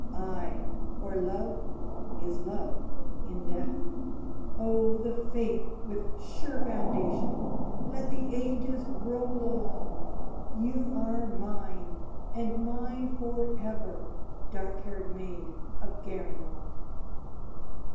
Ay, for Love is Love in Death. Oh! the Faith with sure foundation! let the Ages roll along, You are mine, and mine for ever, dark haired Maid of Gerringong.